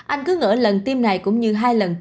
anh cứ ngỡ lần tiêm này cũng như hai lần